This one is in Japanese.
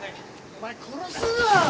お前殺すぞ！